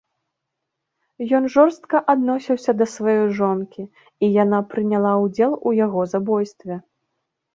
Ён жорстка адносіўся да сваёй жонкі, і яна прыняла ўдзел у яго забойстве.